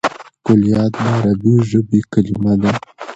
کلیات د عربي ژبي کليمه ده.